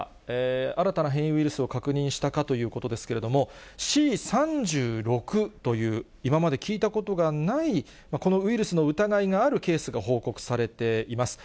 新たな変異ウイルスを確認したかということですけれども、Ｃ．３６という、今まで聞いたことがない、このウイルスの疑いがあるケースが報告されています。